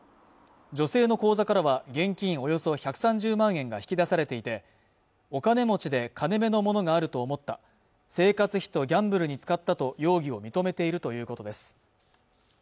女性の口座からは現金およそ１３０万円が引き出されていてお金持ちで金目のものがあると思った生活費とギャンブルに使ったと容疑を認めているということです